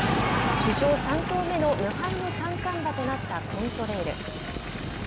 史上３頭目の無敗の三冠馬となったコントレイル。